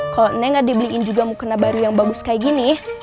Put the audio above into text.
kalau nengah dibeliin juga mukena baru yang bagus kayak gini